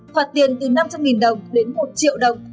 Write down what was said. phạt tiền từ năm trăm linh đồng đến một triệu đồng